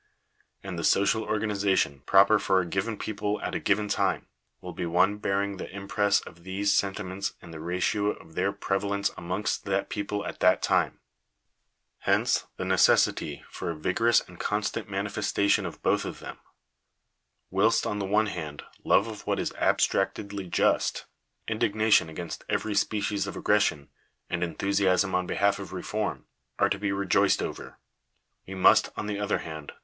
And the social organization proper for a given people at a given time, will be one bearing the impress of these sentiments in the ratio of their prevalence amongst that people at that time. Hence the necessity for a vigorous and constant manifestation of both of them. Whilst, on the one hand, love of what is abstractedly just, indignation against every species of aggression, and enthusiasm on behalf of reform, are to be rejoiced over; we must, on the other hand, Digitized by VjOOQIC 470 CONCLUSION.